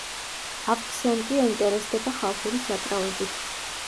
ავქსენტი ინტერესდება ხალხური საკრავებით.